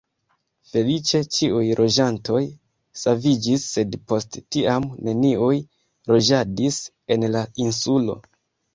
Feliĉe ĉiuj loĝantoj saviĝis sed post tiam neniuj loĝadis en la insulo.